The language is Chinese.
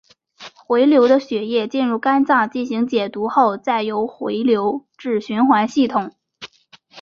回流的血液进入肝脏进行解毒后再由回流至循环系统。